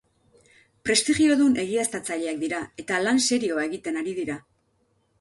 Prestigiodun egiaztatzaileak dira eta lan serioa egiten ari dira.